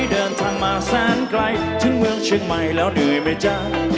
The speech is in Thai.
เดินทางมาแสนไกลถึงเมืองเชียงใหม่แล้วเหนื่อยไหมจ๊ะ